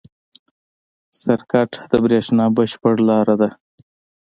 سرکټ د برېښنا بشپړ لاره ده.